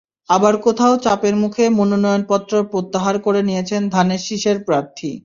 আবার কোথাও চাপের মুখে মনোনয়নপত্র প্রত্যাহার করে নিয়েছেন ধানের শীষের প্রার্থী।